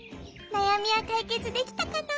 なやみはかいけつできたかな？